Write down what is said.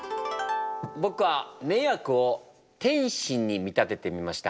僕は「迷惑」を点心に見立ててみました。